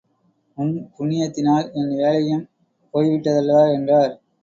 உன் புண்ணியத்தினால் என் வேலையும் போய் விட்டதல்லவா? என்றார்.